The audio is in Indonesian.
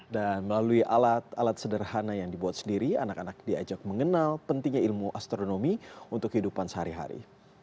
dan melalui alat alat sederhana yang dibuat sendiri anak anak diajak mengenal pentingnya ilmu astronomi untuk kehidupan sehari hari